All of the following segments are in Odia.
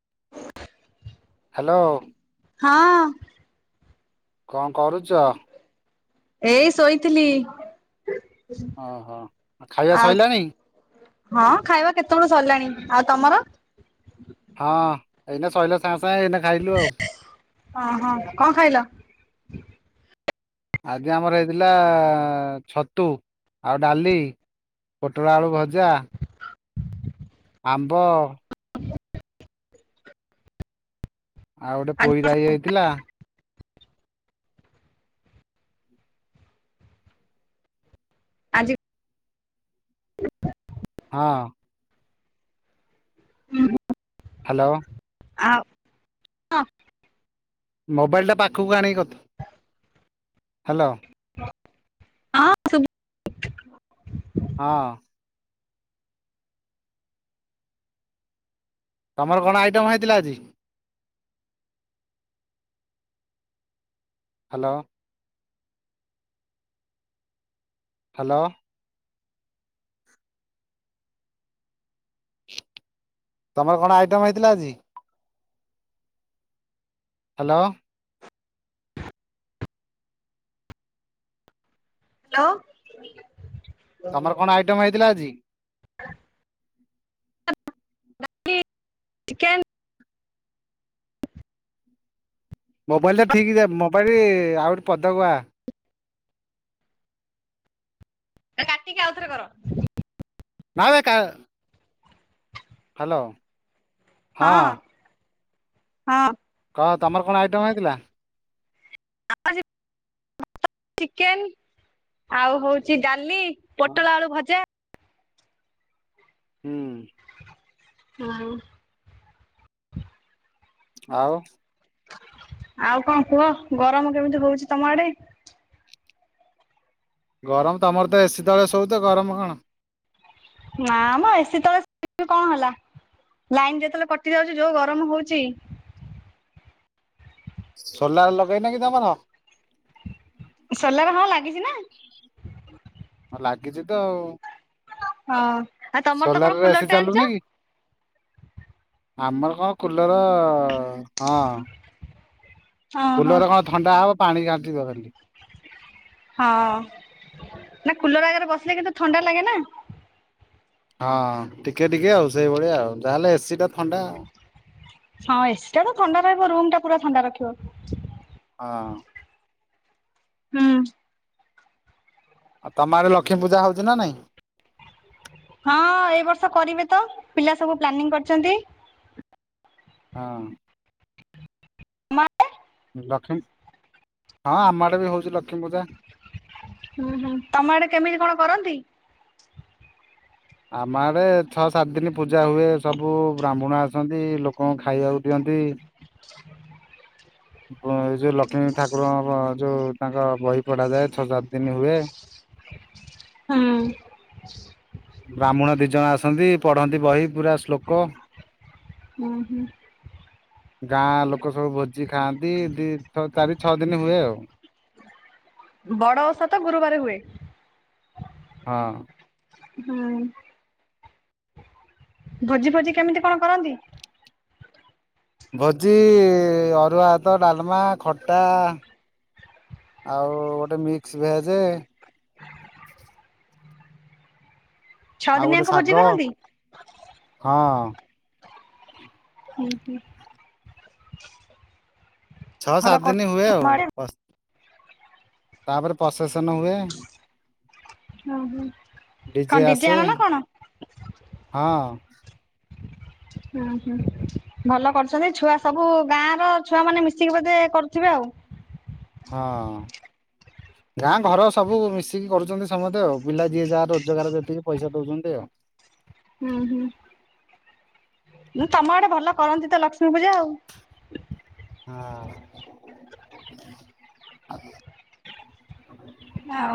[inaudible] ହ୍ୟାଲୋ! ହଁ। କଣ କରୁଚ? ଏଇ ଶୋଇଥିଲି। ଓହୋ! ଆ- ଖାଇବା ଆଉ ସଇଲାନି? ହଁ, ଖାଇବା କେତେବେଳୁ ସରଲାଣି। ଆଉ ତମର ହଁ, ଏଇନେ ସଇଲା ସାଁସ ଅହ କଣ ଖାଇଲ? ଆଗେ ଆମର ହେଇଥିଲା-ଆ-ଆ। ଛତୁ ଆଉ ଡାଲି ପୋଟଳ ଆଳୁ ଭଜା, ଆମ୍ବ ଅ ଆଉ ଗୋଟେ ପୋଇ ରାଇ ହେଇଥିଲା। ଆଜି! [inaudible] ହଁ। ହାଲୋ! ଆଉ ଅଁ। ମୋବାଇଲ ଟା ପାଖକୁ ଆଣିକି କଥ ହାଲୋ! ଅଁ ଶୁବୁ [inaudible] ହଁ ତମର କଣ ଆଇଟମ୍ ହେଇଥିଲା ଆଜି? ହ୍ୟାଲୋ! ହ୍ୟାଲୋ! ତମର କଣ ଆଇଟମ୍ ହେଇଥିଲା ଆଜି? ହ୍ୟାଲୋ! ହ୍ୟାଲୋ! ତମର କଣ ଆଇଟମ୍ ହେଇଥିଲା ଆଜି? [inaudible] ଚିକେନ୍। ମୋବାଇଲ ଟା ଠିକ୍ ଯା ମୋବାଇଲି-ଇ ଆଉରି ପଦ କୁ ଆ। କାଟିକି ଆଉଥିରେ କର। ହାଲୋ! ହଁ ହଁ। ହଁ, ତମର କଣ ଆଇଟମ୍ ହେଇଥିଲା? ଚିକେନ୍ ଆଉ ହଉଛି ଡାଲି। ପୋଟଳ ଆଳୁ ଭଜା, ହୁଁ। ହଁ। ଆଉ, ଆଉ କଣ କୁହ ଗରମ କେମିତି ହଉଛି ତମ ଆଡେ? ଗରମ ତମର ତ ଏସି ତଳେ ସଉଚ! ଗରମ କଣ? ନା ମ ଏସି ତଳେ [inaudible] କଣ ହେଲା ଲାଇନ ଯେତେବେଳେ କଟି ଯାଉଛି, ଯୋଉ ଗରମ ହଉଛି। ସୋଲାର୍ ଲଗେଇନା କି ତମର? ସୋଲାର୍ ହଁ ଲାଗିଚି ନା! ହଁ ଲାଗିଛି ତ ଆଉ। ହଁ ଆଉ ତମର ତ କଣ ସୋଲାରରେ ଏ କୁଲର ସି ଟେ ଆଣିଛ ଚାଲୁନି କି? ଆମର କଣ କୁଲର ହଁ। ହଁ ହଁ କୁଲର କଣ ଥଣ୍ଡା ହବ ପାଣି ଘାଣ୍ଟିବ ଖାଲି। ହଁ ନା କୁଲର ଆଗରେ ବସିଲେ କିନ୍ତୁ ଥଣ୍ଡା ଲାଗେ ନା। ହଁ ଟିକେ ଟିକେ ଆଉ ସେଇଭଳିଆ ଆଉ ଯାହେଲେ ଏ ସି ଟା ଥଣ୍ଡା। ହଁ ଏ ସି ଟା ତ ଥଣ୍ଡା ରହିବ ରୁମ ଟା ପୁରା ଥଣ୍ଡା ରଖିବ। ହଁ। ହୁଁ। ଆଉ ତମ ଆଡ଼େ ଲକ୍ଷ୍ମୀ ପୂଜା ହଉଚି ନା ନାଇଁ? ହଁ ଏ ବର୍ଷ କରିବେ ତ ପିଲା ସବୁ ପ୍ଲାନିଂ କରିଛନ୍ତି। ହଁ। ମ। [unintelligible] ଲକ୍ଷ୍ମୀ ହଁ ଆମ ଆଡେ ବି ହଉଛି ଲକ୍ଷ୍ମୀ ପୂଜା। ହୁଁ ହୁଁ ତମେ ଆଡେ କେମିତି କଣ କରନ୍ତି? ଆମ ଆଡେ ଛଅ ସାତ ଦିନ ପୂଜା ହୁଏ ସବୁ ବ୍ରାହ୍ମଣ ଆସନ୍ତି ଲୋକଙ୍କୁ ଖାଇବାକୁ ଦିଅ ତି। ଅ ଏ ଯୋଉ ଲକ୍ଷ୍ମୀ ଠାକୁରଙ୍କ ଯୋଉ ତାଙ୍କ ବହି ପଢାଯାଏ ଛଅ ସାତ ଦିନ ହୁଏ। ହୁଁ ହୁଁ। ବ୍ରାହ୍ମଣ ଦି ଜଣ ଆସନ୍ତି ପଢ଼ନ୍ତି ବହି ପୁରା ଶ୍ଲୋକ। ହୁଁ ହୁଁ। ଗାଁ ଲୋକ ସବୁ ଭୋଜି ଖାଆନ୍ତି ଦି ଛ ଚାରି ଛଅ ଦିନି ହୁଏ ଆଉ। ବଡ ଓଷା ତ ଗୁରୁବାରେ ହୁଏ। ହଁ। ହୁଁ। ଭୋଜି ଫୋଜି କେମିତି କଣ କରନ୍ତି? ଭୋଜି ଅରୁଆ ଭାତ ଡାଲମା ଖଟା। ଆଉ ଗୋଟେ ମିକ୍ସ ଭେଜେ। ଛଅ ଆଉ ଗୋଟେ ଦିନିଆଙ୍କ ଭୋଜି ଶାଗ କରନ୍ତି? ହଁ। ହୁଁ ହୁଁ। ଛଅ ଭଲ ସାତ କରୁ ଦିନ ହୁଏ ଆଉ ତମ ଆଡେ ପସ ତାପରେ ପଶ ପ୍ରଶେସନ ହୁଏ। କଣ ଡିଜେ ଆସେ ଆଣ ନା କଣ? ହଁ। ହୁଁ ହୁଁ ଭଲ କରୁଛନ୍ତି ଛୁଆ ସବୁ ଗାଁ ର ଛୁଆ ମାନେ ମିଶିକି ବୋଧେ କରୁଥିବେ ଆଉ। ହଁ। ଗାଁ ଘର ସବୁ ମିଶିକି କରୁଛନ୍ତି ସମସ୍ତେ ଆଉ ପିଲା ଯିଏ ଯାହା ରୋଜଗାର ଯେତିକି ପଇସା ଦଉଛନ୍ତି ଆଉ। ହୁଁ ହୁଁ। ଉଁ ତମ ଆଡେ ଭଲ କରନ୍ତି ତ ଲକ୍ଷ୍ମୀ ପୂଜା ଆଉ। ହଁ। ଆଉ।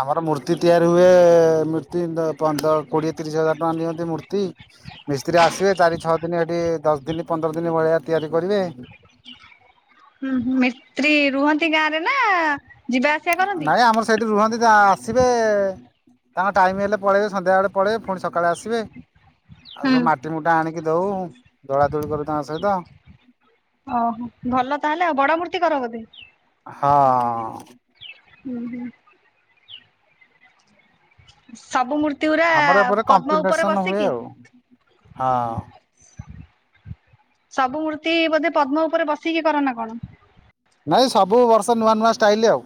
ଆମର ମୂର୍ତ୍ତି ତିଆରି ହୁଏ ମୂର୍ତ୍ତି ନ୍ଦ ପନ୍ଦର କୋଡିଏ ତିରିଶ ହଜାର ଟଙ୍କା ନିଅନ୍ତି ମୂର୍ତ୍ତି। ମିସ୍ତ୍ରୀ ଆସିବେ ଚାରି ଛଅ ଦିନ ଏଠି ଦଶ ଦିନ ପନ୍ଦର ଦିନ ଭଳିଆ ତିଆରି କରିବେ। ହୁଁ ହୁଁ ମିସ୍ତ୍ରୀ ରୁହନ୍ତି ଗାଁ ରେ ନା? ଯିବା ଆସିବା କରନ୍ତି? ନାଇଁ ଆମର ସେଇଠି ରୁହନ୍ତି ତା ଆସିବେ ତାଙ୍କ ଟାଇମ ହେଲେ ପଳେଇବେ ସନ୍ଧ୍ୟାବେଳେ ପଳେଇବେ ପୁଣି ସକାଳେ ଆସିବେ। ଆଉ ହୁଁ। ସବୁ ମାଟି ମୁଟା ଆଣିକି ଦଉ ଦଳାଦଳି କରୁ ତାଙ୍କ ସହିତ। ଓହୋ ଭଲ ତାହେଲେ ଆଉ ବଡ ମୂର୍ତ୍ତି କର ବୋଧେ? ହଁ। ହୁଁ ହୁଁ। ସବୁ ମୂର୍ତ୍ତି ଗୁରା ଆମର ଏପଟେ ପଦ୍ମ ଉପରେ କମ୍ପିଟିସନ ହୁଏ ବସିକି? ଆଉ। ହଁ। ସବୁ ମୂର୍ତ୍ତି ବୋଧେ ପଦ୍ମ ଉପରେ ବସିକି କରନା କଣ? ନାଇଁ ସବୁ ବର୍ଷ ନୂଆ ନୂଆ ଷ୍ଟାଇଲ ଆଉ।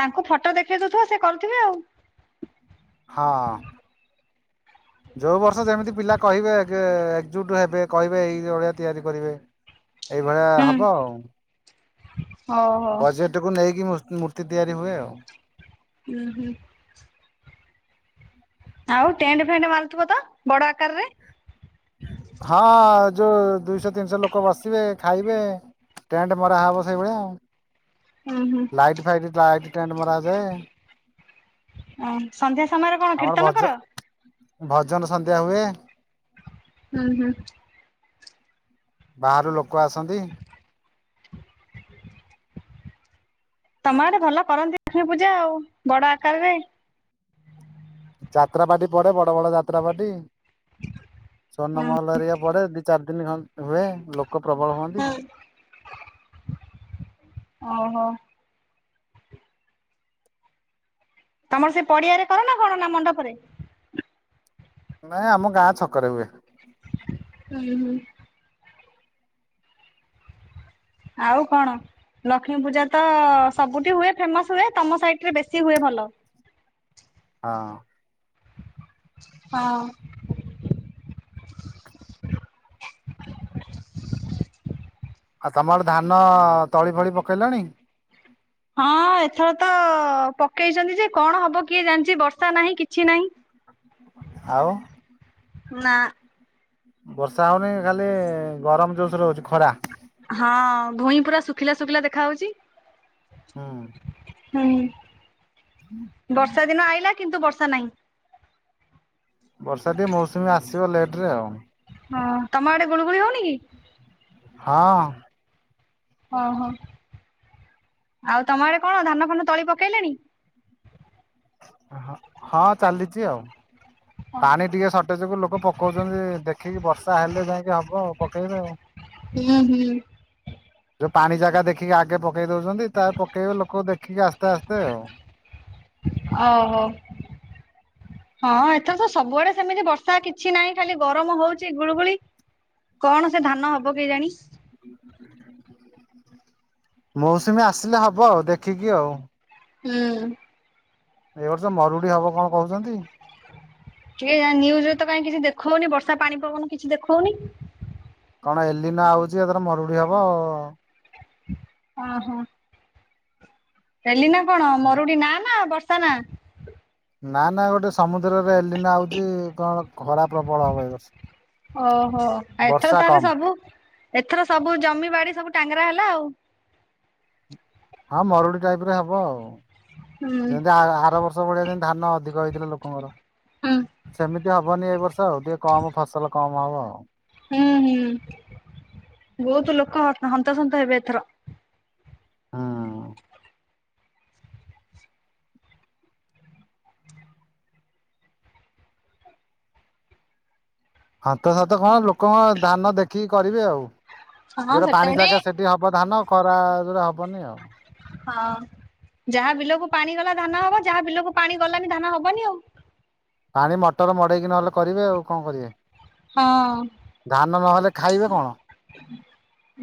ତାଙ୍କୁ ଫଟୋ ଦେଖେଇ ଦଉଥିବ ସେ କରୁଥିବେ ଆଉ। ହଁ। ଯୋଉ ବର୍ଷ ଯେମିତି ପିଲା କହିବେ ଏକଜୁଟ ହେବେ କହିବେ ଏଇ ଅଳିଆ ତିଆରି କରିବେ। ଏଇଭଳିଆ ହଉ ହବ ଆଉ। ହଉ ବଜେଟ କୁ ନେଇକି। ତିଆରି ହୁଏ ଆଉ। ଉଁ ହୁଁ ଆଉ ଟେଣ୍ଟ ଫେଣ୍ଟ ମାରୁଥିବ ତ ବଡ ଆକାରରେ? ହଁ ଯୋଉ ଦିଇଶହ ତିନିଶହ ଲୋକ ବସିବେ ଖାଇବେ। ଟେଣ୍ଟ ମରା ହବ ସେଇଭଳିଆ। ଆଉ ଲାଇଟ ଫାଇଟ ଲାଇଟ ଟଣ୍ଟ ମରା ଓ ସନ୍ଧ୍ୟା ସମୟରେ କଣ ଆମର କୀର୍ତ୍ତନ ଭଜ କର? ଭଜନ ସନ୍ଧ୍ୟା ହୁଏ। ହୁଁ ହୁଁ। ବାହାରୁ ଲୋକ ଆସନ୍ତି। ତମ ଆଡେ ଭଲ କରନ୍ତି ଲକ୍ଷ୍ମୀ ପୂଜା ଆଉ ବଡ ଆକାର ରେ। ଯାତ୍ରା ପାଟି ପଡେ ବଡ ବଡ ଯାତ୍ରା ପାଟି। ସର୍ଣ୍ଣ ମହଲରିବା ପରେ ଦି ଚାରି ଦିନ ହୁଏ। ଲୋକ ଲୋକ ପ୍ରବଳ ହୁଅନ୍ତି। ଓହୋ। ତମର ସେ ପଡିଆରେ କର ନା କଣ ନା ମଣ୍ଡପରେ? ନାଇଁ ଆମ ଗାଁ ଛକରେ ହୁଏ। ହୁଁ ହୁଁ। ଆଉ କଣ? ଲକ୍ଷ୍ମୀ ପୂଜା ତ ସବୁଠି ହୁଏ ଫେମସ ହୁଏ ତମ ସାଇଟରେ ବେଶୀ ହୁଏ ଭଲ। ହଁ। ହଁ। ଆଉ ତମର ଧାନ ତଳି ଫଳି ପକେଇଲଣି? ହଁ ଏଥର ତ ପକେଇଛନ୍ତି ଯେ, କଣ ହବ କିଏ ଜାଣିଛି ବର୍ଷା ନାହିଁ କିଛି ନାହିଁ। ଆଉ? ନା। ବର୍ଷା ହଉନି ଖାଲି ଗରମ ଯୋଶରେ ହୋଉଛି ଖରା। ହଁ ଭୂଇଁ ପୁରା ଶୁଖିଲା ଶୁଖିଲା ଦେଖା ହଉଛି। ହୁଁ। ହୁଁ। ବର୍ଷା ଦିନ ଆଇଲା କିନ୍ତୁ ବର୍ଷା ନାହିଁ। ବର୍ଷା ଟିକେ ମୌସୁମୀ ଆସିବ ଲେଟ ରେ ଆଉ। ହଁ ତମ ଆଡେ ଗୁଳୁଗୁଳି ହଉନି କି? ହଁ। ହଁ ହଁ। ଆଉ ତମ ଆଡେ କଣ ଧାନ ଫନ ତଳି ପକେଇଲେଣି? ହଁ ଚାଲିଛି ଆଉ। ପାଣି ଟିକେ ସର୍ଟେଜକୁୁ ଲୋକ ପକଉଛନ୍ତି ଦେଖିକି ବର୍ଷ। ଶା ହେଲେ ଯାଇକି ହବ ଆଉ ପକେଇବେ ଆଉ। ହୁଁ ହୁଁ। ଯୋଉ ପାଣି ଜାଗା ଦେଖିକି ଆଗେ ପକେଇ ଦଉଛନ୍ତି ତା ପକେଇବେ ଲୋକ ଦେଖିକି ଆସ୍ତେ ଆସ୍ତେ ଆଉ। ଅ ହୋ। ହଁ ଏଥର ତ ସବୁଆଡେ ସେମିତି ବର୍ଷା କିଛି ନାହିଁ ଖାଲି ଗରମ ହଉଛି ଗୁଳୁଗୁଳି। କଣ ସେ ଧାନ ହବ କେଜାଣି? ମୌସୁମୀ ଆସିଲେ ହବ ଆଉ ଦେଖିକି ଆଉ। ହୁଁ। ଏ ବର୍ଷ ମରୁଡି ହବ କଣ କହୁଛନ୍ତି। କିଏ ଜାନ ନ୍ୟୁଜ୍ ରେ ତ କାଇ କିଛି ଦେଖଉନି ବର୍ଷା ପାଣି ପବନ କିଛି ଦେଖଉନି। କଣ ଏଲି ନା ଆଉଛି ଏଥର ମରୁଡି ହବ। ଓ ହୋ। ହେଲି ନା କଣ ମରୁ ଡ଼ି ନା ନା ବର୍ଷା ନା ନା ନା ଗୋଟେ ସମୁଦ୍ରରେ ଏଲିନା ଆଉଛି କଣ ଖରା ପ୍ରବଳ ହବ ଏ ବର୍ଷ। ଓହୋ ଆ ଏଥର ବର୍ଷା ତାହେଲେ କମ୍ ସବୁ ଏଥର ସବୁ ଜମି ବାଡି଼ ସବୁ ଟାଙ୍ଗାରା ହେଲା ଆଉ। ହଁ ମରୁଡି ଟାଇପ ର ହବ ଆଉ ହୁଁ ଯେମିତି ଆ ଆର ବର୍ଷ ର୍ଷ ଭଳିଆ ଧାନ ଅଧିକ ହେଇଥିଲା ଲୋକଙ୍କର ହୁଁ ସେମିତି ହବନି ଏଇ ବର୍ଷ ଆଉ ଟିକେ କମ ଫସଲ କମ ହବ ଆଉ। ହୁଁ ହୁଁ ବହୁତ ଲୋକ ହନ୍ତ ସନ୍ତ ହେବେ ଏଥର। ହଁ। ହନ୍ତ ସନ୍ତ କଣ ଲୋକଙ୍କ ଧାନ ଦେଖିକି କରିବେ ଆଉ। ହଁ ଯୋଉଟା ସେଟା ପାଣି ବି ଜାଗା ସେଠି ହବ ଧାନ ଖରା ଯୋଉଟା ହବନି ଆଉ। ହଁ। ଯାହା ବିଲକୁ ପାଣି ଗଲା ଧାନ ହବ ଯାହା ବିଲକୁ ପାଣି ଗଲାନି ଧାନ ହବନି ଆଉ। ପାଣି ମଟର ମଡେଇକି ନହେଲେ କରିବେ ଆଉ କଣ କରିବେ। ହଁ। ଧାନ ନହେଲେ ଖାଇବେ କଣ?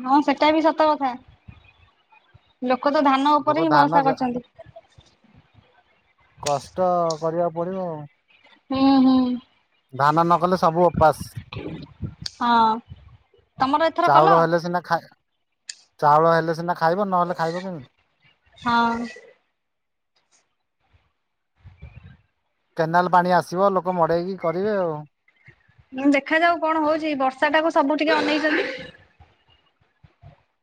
ହଁ ସେଟା ବି ସତ କଥା ଲୋ ଲୋକ ତ ଧାନ ଲୋକ ଉପରେ ହିଁ ଧାନ ଭରସା କରିଛନ୍ତି। କଷ୍ଟ କରିବାକୁ ପଡିବ ଆଉ। ହୁଁ ହୁଁ। ଧାନ ନ କଲେ ସବୁ ଓପାସ। ହଁ ତମର ଏଥର କଲ? ଚାଉଳ ହେଲେ ସିନା ଖାଇ ଚାଉଳ ହେଲେ ସିନା ଖାଇବ ନହେଲେ ଖାଇବ କେମିତି? ହଁ। କେନାଲ ପାଣି ଆସିବ ଲୋକ ମଡେଇକି କରିବେ ଆଉ। ହଁ ଦେଖା ଯାଉ କଣ ହଉଛି ବର୍ଷା ଟାକୁ ସବୁ ଟିକେ ଅନେଇଛନ୍ତି।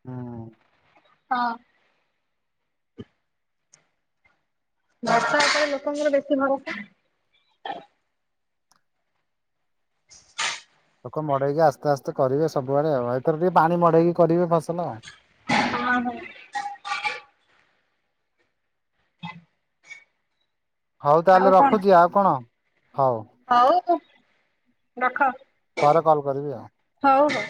ହୁଁ। ହଁ। ବର୍ଷା ଉପରେ ଲୋକଙ୍କର ବେଶୀ ଭରସା। [inaudible] ଲୋକ ମଡେଇକି ଆସ୍ତେ ଆସ୍ତେ କରିବେ ସବୁବେଳେ ଆଉ ଏଥର ଟିକେ ପାଣି ମଡେଇକି କରିବେ ଫସଲ ଆଉ। ହଁ ହଁ ହଉ ତାହେଲେ ଆଉ କଣ ରଖୁଛି ଆଉ କଣ? ହଉ ହଉ ରଖ। ପରେ କଲ କରିବି ଆଉ। ହଉ ହଉ।